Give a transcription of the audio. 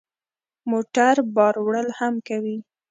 موټر بار وړل هم کوي.